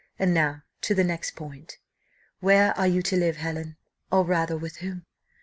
And now to the next point: where are you to live, Helen? or rather with whom?"